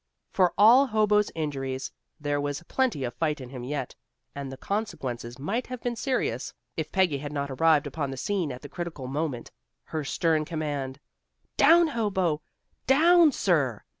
For all Hobo's injuries, there was plenty of fight in him yet, and the consequences might have been serious if Peggy had not arrived upon the scene at the critical moment. Her stern command, "Down, Hobo! Down, sir!"